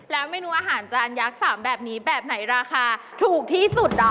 แล้วเมนูอาหารจานยักษ์๓แบบนี้แบบไหนราคาถูกที่สุด